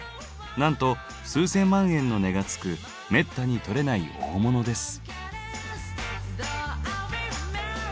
なんと数千万円の値がつくめったに採れない大物です。